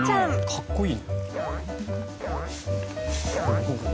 かっこいい。